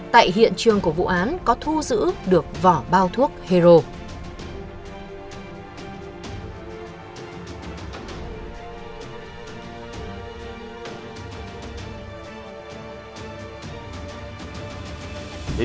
tại hiện trường của vụ án có thu giữ được vỏ bao thuốc hero